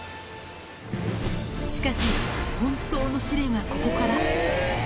しかし、本当の試練はここから。